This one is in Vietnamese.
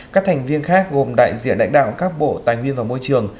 các thành viên khác gồm đại diện lãnh đạo các bộ tài nguyên và môi trường